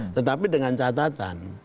tetapi dengan catatan